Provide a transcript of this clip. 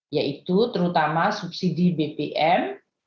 yaitu terutama subsidi bpm